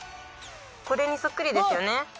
これにそっくりですよね